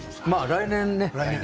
来年ね。